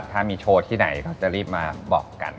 ถ้ามีโชว์ที่ไหนเขาจะรีบมาบอกกัน